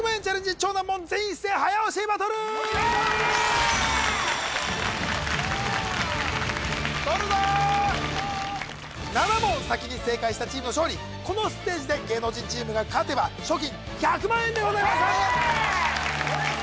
超難問全員一斉早押しバトルとるぞ７問先に正解したチームの勝利このステージで芸能人チームが勝てば賞金１００万円でございます